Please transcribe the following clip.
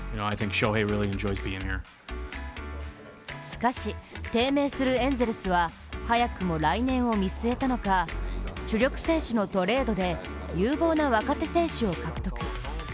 しかし、低迷するエンゼルスは早くも来年を見据えたのか主力選手のトレードで有望な若手選手を獲得。